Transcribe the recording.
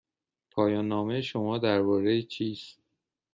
پایان نامه شما درباره چیست؟